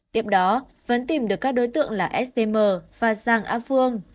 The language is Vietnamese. tiếp đó vẫn tìm được các đối tượng là stm và giang á phương